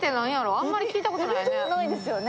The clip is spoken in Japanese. あんまり聞いたことないね。